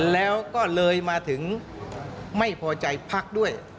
แล้วก็เลยมาถึงไม่พอใจพักด้วย